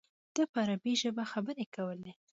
ده په عربي ژبه خبرې کولې.